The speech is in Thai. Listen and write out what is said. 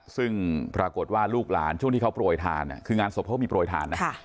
ซึ่งปรากฏว่าลูกหลานช่วงที่เขาโปรยทานคืองานศพเขาก็มีโปรยทานนะ